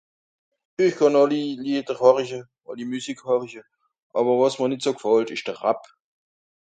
esch kànn alli lieder horische alli musik horische awer wàs m'r nìt so gfàllt esch de Rap